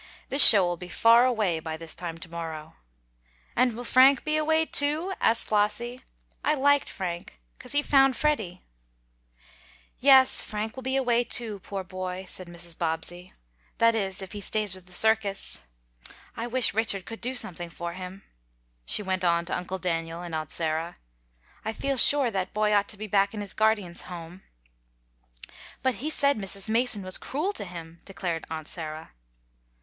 This show will be far away by this time to morrow." "And will Frank be away, too?" asked [Illustration: UP, UP, UP, WENT THE RED AND BLUE BALLOONS] Flossie. "I like Frank, 'cause he found Freddie." "Yes, Frank will be away, too, poor boy," said Mrs. Bobbsey, "that is, if he stays with the circus. I wish Richard could do something for him," she went on to Uncle Daniel and Aunt Sarah. "I feel sure that boy ought to be back in his guardian's home." "But he said Mr. Mason was cruel to him," declared Aunt Sarah.